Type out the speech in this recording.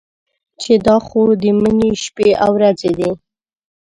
چې دا خو د مني شپې او ورځې دي.